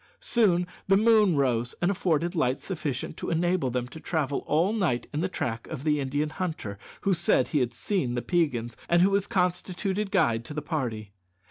Soon the moon rose and afforded light sufficient to enable them to travel all night in the track of the Indian hunter who said he had seen the Peigans, and who was constituted guide to the party.